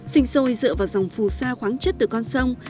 sinh sôi dựa vào dòng phù sa khoáng chất từ con sông